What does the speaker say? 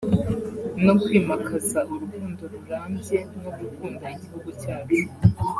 no kwimakaza urukundo rurambye no gukunda igihugu cyacu